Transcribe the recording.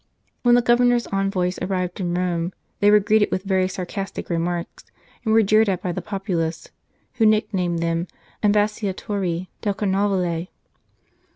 When the Governor s envoys arrived in Rome, they were greeted with very sarcastic remarks, and were jeered at by the populace, who nick named them Ambasciatori del Carnovale.